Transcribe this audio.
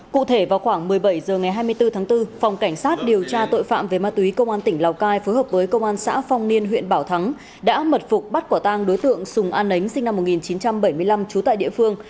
cụ thể vào khoảng một mươi bảy h ngày hai mươi bốn tháng bốn phòng cảnh sát điều tra tội phạm về ma túy công an tỉnh lào cai phối hợp với công an xã phong niên huyện bảo thắng đã mật phục bắt quả tang đối tượng sùng an nấy sinh năm một nghìn chín trăm bảy mươi năm trú tại địa phương